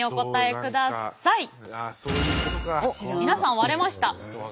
皆さん割れました。